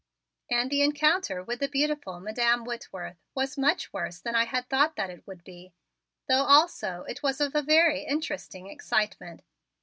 And the encounter with the beautiful Madam Whitworth was much worse than I had thought that it would be, though also it was of a very interesting excitement.